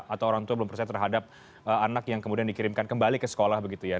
atau orang tua belum percaya terhadap anak yang kemudian dikirimkan kembali ke sekolah begitu ya